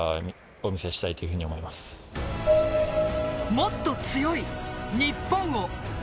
もっと強い、日本を！